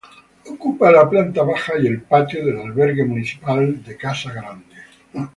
Ocupa la planta baja y el patio del albergue municipal de Casa Grande.